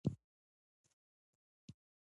هغه هم نقد ګفتمان دیني کتاب لوستلی و.